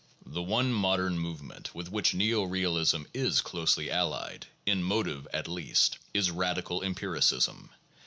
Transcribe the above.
The one modern movement with which neo realism is closely allied (in motive, at least), is radical empiricism.